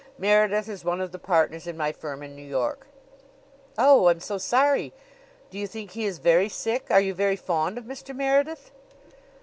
Meredith is one of the partners in my firm in New York." "Oh, I'm so sorry! Do you think he is very sick? Are you very fond of Mr. Meredith?"